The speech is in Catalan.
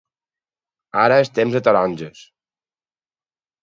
Ara és temps de taronges.